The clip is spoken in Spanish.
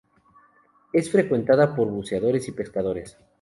Es frecuentada por buceadores y pescadores.